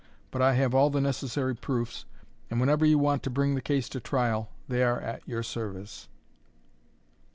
But I have all the necessary proofs, and whenever you want to bring the case to trial they are at your service."